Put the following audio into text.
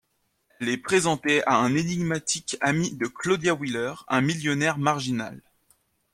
Elle est présentée à un énigmatique ami de Claudia, Wheeler, un millionnaire marginal.